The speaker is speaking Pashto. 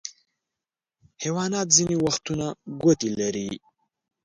حیوانات ځینې وختونه ګوتې لري.